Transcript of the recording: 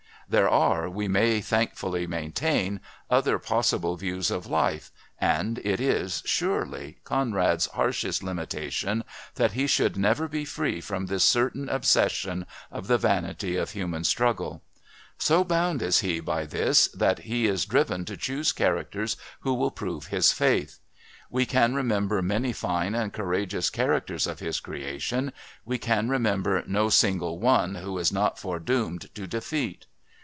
There are, we may thankfully maintain, other possible views of life, and it is, surely, Conrad's harshest limitation that he should never be free from this certain obsession of the vanity of human struggle. So bound is he by this that he is driven to choose characters who will prove his faith. We can remember many fine and courageous characters of his creation, we can remember no single one who is not foredoomed to defeat.